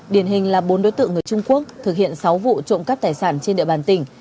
điển hình là bốn đối tượng người trung quốc thực hiện sáu vụ trộm cắp tài sản trên địa bàn tỉnh